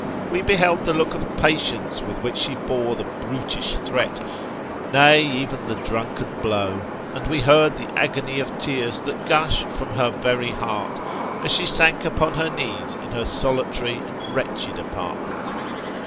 We beheld the look of patience with which she bore the brutish threat, nay, even the drunken blow ; and we heard the agony of tears that gushed from her very heart, as she sank upon her knees in her solitary and wretched apartment.